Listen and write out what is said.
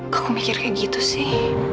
kok aku mikir kayak gitu sih